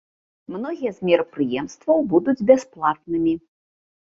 Многія з мерапрыемстваў будуць бясплатнымі.